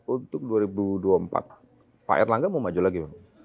untuk dua ribu dua puluh empat pak erlangga mau maju lagi